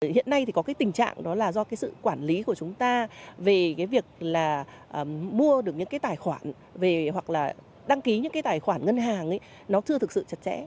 hiện nay thì có cái tình trạng đó là do cái sự quản lý của chúng ta về cái việc là mua được những cái tài khoản về hoặc là đăng ký những cái tài khoản ngân hàng ấy nó chưa thực sự chặt chẽ